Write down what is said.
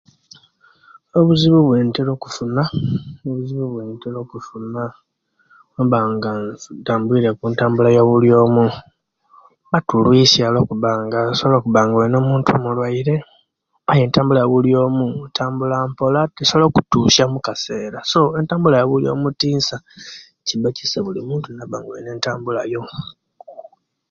Obuzibu owentira okufuna, obuzibu owentira okufuna, mbanga ntambwirku entambula eyawulioomu, batulwiisia olwokubanga nsobola okubanga olina omuntu omulwaire aye, ntambula yawulioomu ntambula mpola tosobola okumutuca omukiseera so entambula eyabulioomu tiinsa ,cibakisa bulimintu naba mweene entambula yo.